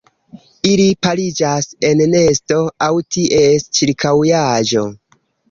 Ili pariĝas en nesto aŭ ties ĉirkaŭaĵo.